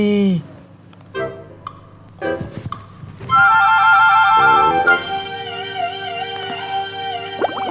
oh iya satu ya